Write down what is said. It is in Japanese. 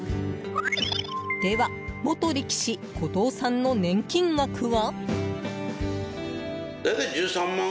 では、元力士・後藤さんの年金額は？